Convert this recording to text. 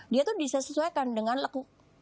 dia tuh bisa disesuaikan dengan lekuk